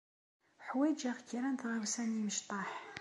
Uḥwaǧeɣ kra n tɣawsa n yimecṭaḥ.